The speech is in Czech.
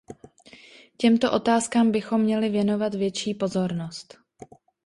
Těmto otázkám bychom měli věnovat větší pozornost.